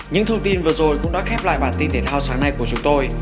những thông tin vừa rồi cũng đã khép lại bản tin thể thao sáng nay của chúng tôi